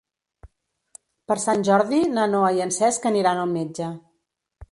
Per Sant Jordi na Noa i en Cesc aniran al metge.